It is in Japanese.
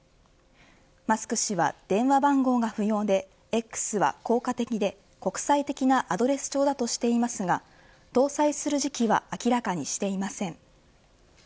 マスク氏は、電話番号が不要でＸは、効果的で国際的なアドレス帳だとしていますが搭載する時期は明らかにしていません。